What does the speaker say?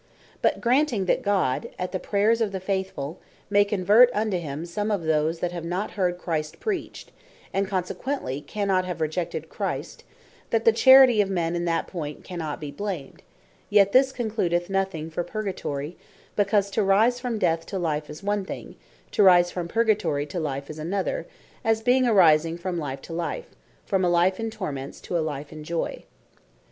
But granting that God, at the prayers of the faithfull, may convert unto him some of those that have not heard Christ preached, and consequently cannot have rejected Christ, and that the charity of men in that point, cannot be blamed; yet this concludeth nothing for Purgatory, because to rise from Death to Life, is one thing; to rise from Purgatory to Life is another; and being a rising from Life to Life, from a Life in torments to a Life in joy.